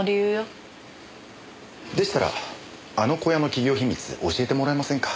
でしたらあの小屋の企業秘密教えてもらえませんか？